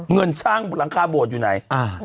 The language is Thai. เงินสร้างหลังคาโบสถอยู่ไหน